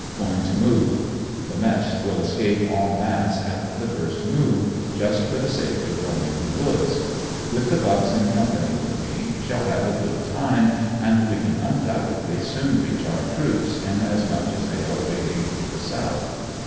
Going to move. The ''mess" will escape en masse Sit the first move, just for the sake of roaming the woods. With the Bucks in company with me, shall have a good time, and we can undoubtedly soon reach our troops ia as much as they are raiding through the South.